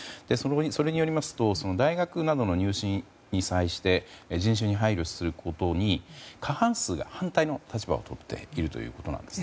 それによりますと大学などの入試に際して人種に配慮することに過半数が反対の立場をとっているということです。